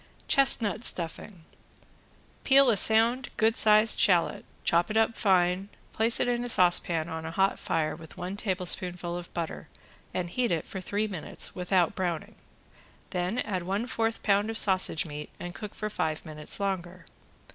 ~CHESTNUT STUFFING~ Peel a sound good sized shallot, chop it up fine, place it in a saucepan on a hot fire with one tablespoonful of butter and heat it for three minutes without browning. Then add one fourth pound of sausage meat and cook for five minutes longer.